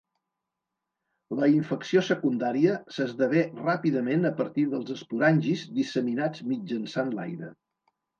La infecció secundària s'esdevé ràpidament a partir dels esporangis disseminats mitjançant l'aire.